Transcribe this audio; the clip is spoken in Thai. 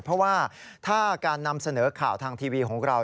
เพราะว่าถ้าการนำเสนอข่าวทางทีวีของเรา